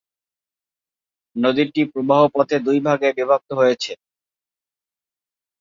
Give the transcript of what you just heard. নদীটি প্রবাহ পথে দুই ভাগে বিভক্ত হয়েছে।